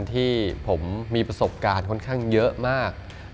ที่ผมมีประสบการณ์ค่อนข้างเยอะมาก